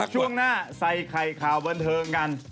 ช่วงหน้าใส่ไข่ข่าวบันเทิงกัน